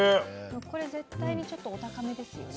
これ絶対にちょっとお高めですよね？